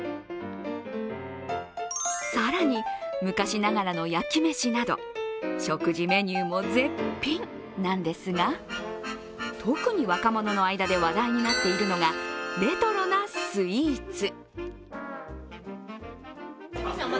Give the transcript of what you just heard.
更に、昔ながらの焼きめしなど食事メニューも絶品なんですが特に若者の間で話題になっているのがレトロなスイーツ。